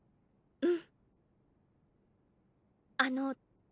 うん。